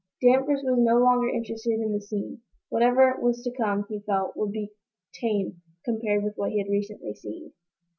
Danvers was no longer interested in the scene. Whatever was to come, he felt, would be tame compared with what he had recently seen.